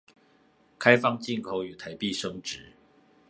開放進口與台幣升值